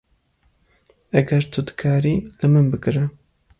Eger tu dikarî, li min bigire.